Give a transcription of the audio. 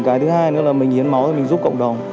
cái thứ hai nữa là mình hiến máu thì mình giúp cộng đồng